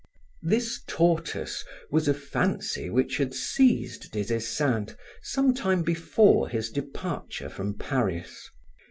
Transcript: This tortoise was a fancy which had seized Des Esseintes some time before his departure from Paris.